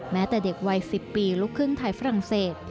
แม้แต่เด็กวัย๑๐ปีลุกขึ้นไทยฝรั่งเศส